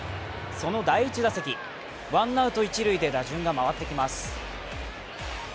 その第１打席、ワンアウト一塁で打順が回ってきます。